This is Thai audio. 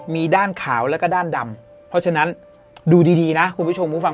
มีด้านขาวแล้วก็ด้านดำเพราะฉะนั้นดูดีนะคุณผู้ชมผู้ฟัง